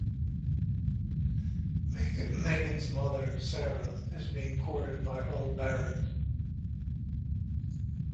Megan's mother, Sarah, is being courted by Hull Barret.